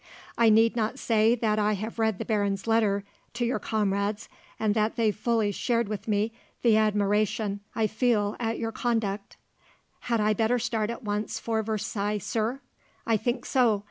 I need not say that I have read the baron's letter to your comrades, and that they fully shared with me the admiration I feel at your conduct." "Had I better start at once for Versailles, sir?" "I think so.